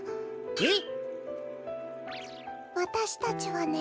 えっ。